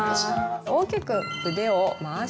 大きく腕を回します。